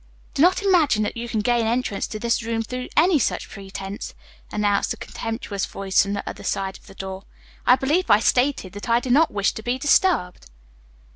"Do not imagine that you can gain entrance to this room through any such pretense," announced a contemptuous voice from the other side of the door. "I believe I stated that I did not wish to be disturbed."